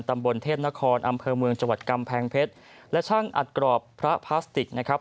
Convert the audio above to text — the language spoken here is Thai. ตำบลเทพนครอำเภอเมืองจังหวัดกำแพงเพชรและช่างอัดกรอบพระพลาสติกนะครับ